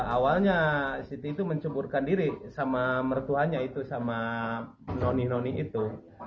awalnya siti itu menceburkan diri sama mertuanya itu sama noni noni itu